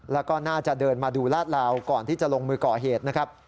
แล้วก็น่าจะเดินมาดูลาดลาวก่อนที่จะลงมือก่อเหตุนะครับ